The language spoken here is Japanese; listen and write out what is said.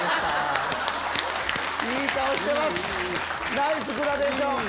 ナイスグラデーション！